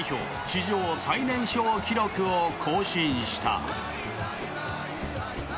史上最年少記録を更新した。